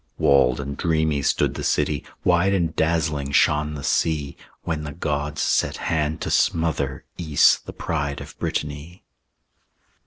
Walled and dreamy stood the city, Wide and dazzling shone the sea, When the gods set hand to smother Ys, the pride of Brittany.